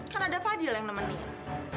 kan ada fadil yang nemenin